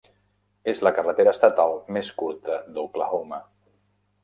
És la carretera estatal més curta d'Oklahoma.